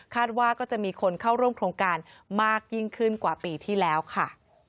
ว่าก็จะมีคนเข้าร่วมโครงการมากยิ่งขึ้นกว่าปีที่แล้วค่ะ